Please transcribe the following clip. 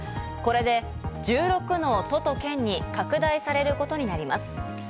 これで１６の都と県に拡大されることになります。